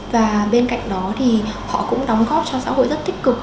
và bên cạnh đó thì họ cũng đóng góp cho xã hội rất tích cực